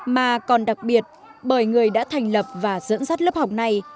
mà còn đặc biệt bởi người đã thành lập và dẫn dắt lớp học này